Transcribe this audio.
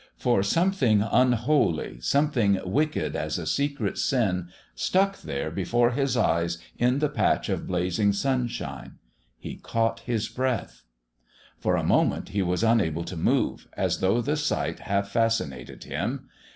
For something unholy, something wicked as a secret sin, stuck there before his eyes in the patch of blazing sunshine. He caught his breath. For a moment he was unable to move, as though the sight half fascinated him.